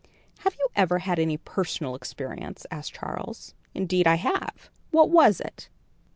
"Have you ever had any personal experience?" asked Charles. "Indeed I have." "What was it?"